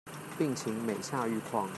病情每下愈況